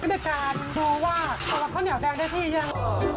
ก็จะมีการดูว่าข้าวเหนียวแดงได้ที่ยัง